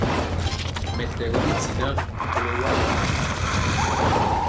Mɛtɛgɔ i tinaa kolɔ wa biluŋ.